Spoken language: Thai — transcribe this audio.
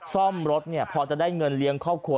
ซ่อมรถพอจะได้เงินเลี้ยงครอบครัว